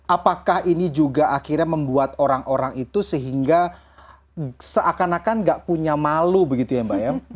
apakah ini juga akhirnya membuat orang orang itu sehingga seakan akan gak punya malu begitu ya mbak ya